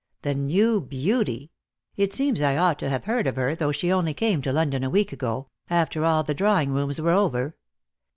"The new beauty. It seems I ought to have heard of her, though she only came to London a week ago, after all the drawing rooms were over.